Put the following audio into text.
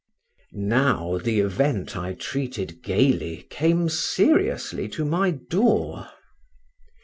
Now the event I treated gaily came seriously to my door.